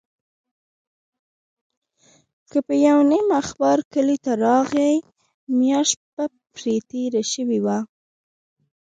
که به یو نیم اخبار کلي ته راغی، میاشت به پرې تېره شوې وه.